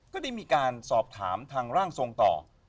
ก็ได้มีการสอบถามทางร่างทรงต่อ